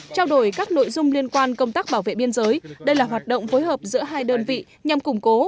trao đổi các nội dung liên quan công tác bảo vệ biên giới đây là hoạt động phối hợp giữa hai đơn vị nhằm củng cố